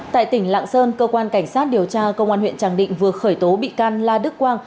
tại tỉnh lạng sơn cơ quan cảnh sát điều tra công an huyện tràng định vừa khởi tố bị can la đức quang